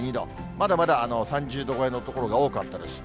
まだまだ３０度超えの所が多かったです。